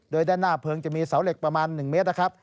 โดยด้านหน้าเพลิงจะมีเสาเหล็กประมาณ๑เมตรนะครับ